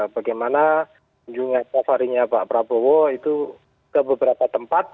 bagaimana kunjungan safarinya pak prabowo itu ke beberapa tempat